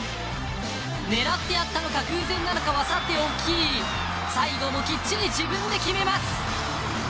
狙ってやったのか偶然なのかはさておき最後もきっちり自分で決めます。